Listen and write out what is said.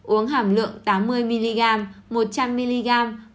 uống hàm lượng tám mươi mg một trăm linh mg một trăm linh mg